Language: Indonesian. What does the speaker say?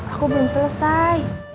aku belum selesai